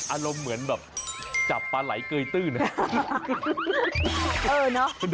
อารมณ์เหมือนแบบจับปลาไหลเกยตื้นนะ